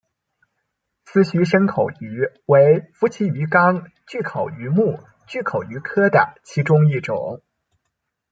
丝须深巨口鱼为辐鳍鱼纲巨口鱼目巨口鱼科的其中一种。